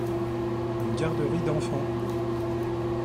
une garderie d'enfants.